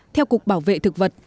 theo cục bảo vệ thực vật